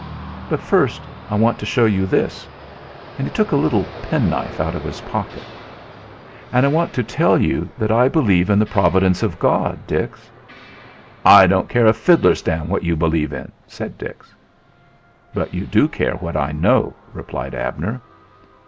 But first I want to show you this," and he took a little penknife out of his pocket. "And I want to tell you that I believe in the providence of God, Dix." "I don't care a fiddler's damn what you believe in," said Dix. "But you do care what I know," replied Abner.